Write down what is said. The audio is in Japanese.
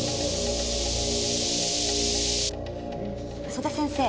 曽田先生。